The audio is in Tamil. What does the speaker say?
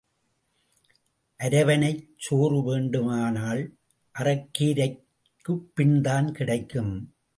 அரவணைச் சோறு வேண்டுமானால் அறைக்கீரைக்குப் பின்தான் கிடைக்கும்.